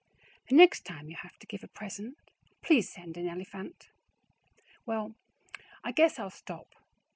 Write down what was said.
The next time you have to give a present, please send an elifant. Well I guess Ill stop.